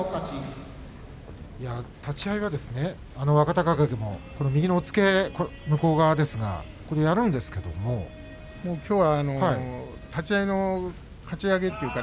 立ち合いは若隆景も右の押っつけ、向こう側ですがきょうは立ち合いのかち上げというか